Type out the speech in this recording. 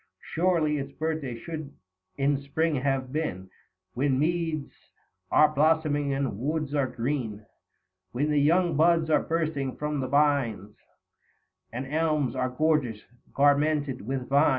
Surely its birthday should in Spring have been When meads are blossoming and woods are green ; 160 When the young buds are bursting from the bines, And elms are gorgeous, garmented with vines, Book I.